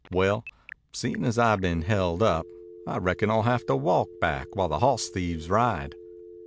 "Well, seein' as I been held up, I reckon I'll have to walk back while the hawss thieves ride."